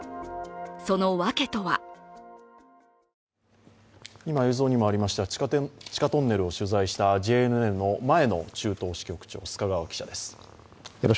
その訳とは今、映像にもありました地下トンネルを取材したＪＮＮの前の中東支局長、須賀川記者です。